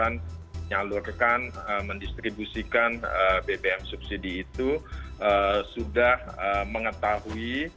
menyalurkan mendistribusikan bbm subsidi itu sudah mengetahui